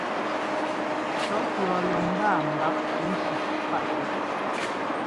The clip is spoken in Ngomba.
Cɔ́ pʉ̈ɔ lɔ mbáa mbáp pǔushi páʼtɛ́.